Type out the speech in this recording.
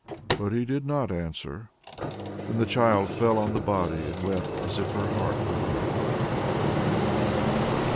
But he did not answer. Then the child fell on the body, and wept as if her heart would break.